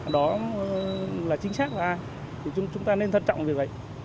đó là chính xác là chúng ta nên thân trọng về vậy